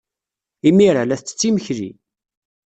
Imir-a, la tettett imekli.